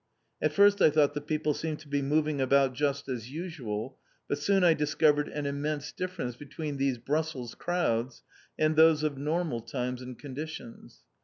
At first I thought the people seemed to be moving about just as usual, but soon I discovered an immense difference between these Brussels crowds, and those of normal times and conditions.